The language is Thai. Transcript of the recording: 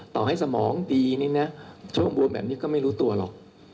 ต่อให้สมองดีนี่นะช่วงบวมแบบนี้ก็ไม่รู้ตัวหรอก